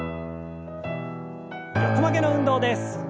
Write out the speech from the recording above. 横曲げの運動です。